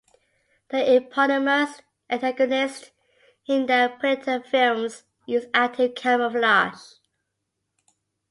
The eponymous antagonists in the "Predator" films use active camouflage.